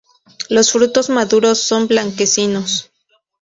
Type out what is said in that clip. Los frutos maduros son blanquecinos.